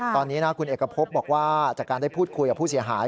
ตอนนี้นะคุณเอกพบบอกว่าจากการได้พูดคุยกับผู้เสียหาย